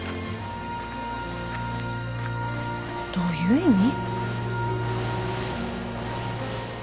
どういう意味？